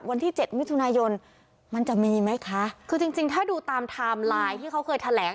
วันที่เจ็ดมิถุนายนมันจะมีไหมคะคือจริงจริงถ้าดูตามไทม์ไลน์ที่เขาเคยแถลง